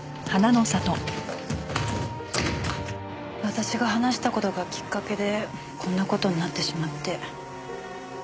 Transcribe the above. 私が話した事がきっかけでこんな事になってしまって。